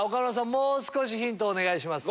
もう少しヒントをお願いします。